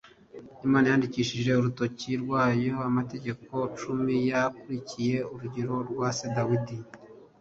imana yandikishijeho urutoki rwayo amategeko cumi, yakurikiye urugero rwa se dawidi.